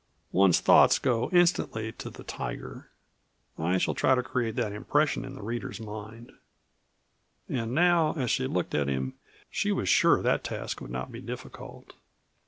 One's thoughts go instantly to the tiger. I shall try to create that impression in the reader's mind." And now as she looked at him she was sure that task would not be difficult.